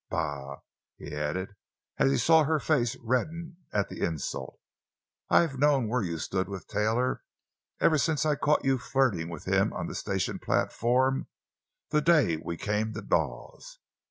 Bah!" he added as he saw her face redden at the insult; "I've known where you stood with Taylor ever since I caught you flirting with him on the station platform the day we came to Dawes.